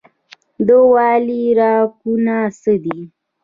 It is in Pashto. د والي واکونه څه دي؟